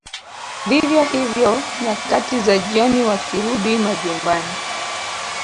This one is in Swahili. Vivyo hivyo nyakati za jioni wakirudi majumbani